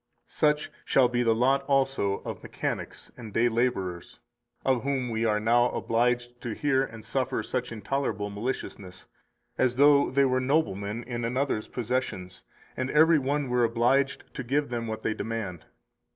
237 Such shall be the lot also of mechanics and day laborers of whom we are now obliged to hear and suffer such intolerable maliciousness, as though they were noblemen in another's possessions, and every one were obliged to give them what they demand.